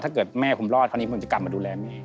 ถ้าเกิดแม่ผมรอดคราวนี้ผมจะกลับมาดูแลแม่